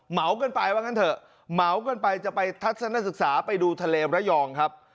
เหมากันไปว่างั้นเถอะเหมากันไปจะไปทัศนศึกษาไปดูทะเลระยองครับ